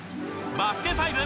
『バスケ☆ＦＩＶＥ』。